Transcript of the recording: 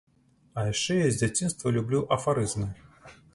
А яшчэ я з дзяцінства люблю афарызмы.